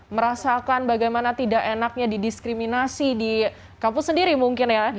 merasakan bagaimana tidak enaknya didiskriminasi di kampus sendiri mungkin ya